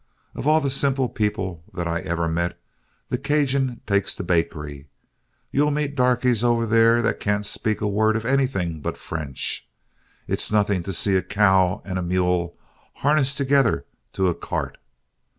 Of all the simple people that I ever met, the 'Cajin' takes the bakery. You'll meet darkies over there that can't speak a word of anything but French. It's nothing to see a cow and mule harnessed together to a cart.